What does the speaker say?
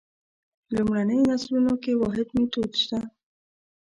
لومړنیو نسلونو کې واحد میتود شته.